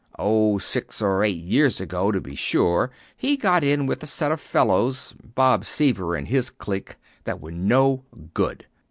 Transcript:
Oh, six or eight years ago, to be sure, he got in with a set of fellows Bob Seaver and his clique that were no good.